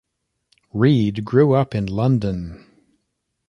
Reid grew up in London.